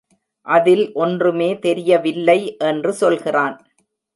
அதில் ஒன்றுமே தெரியவில்லை என்று சொல்கிறான்.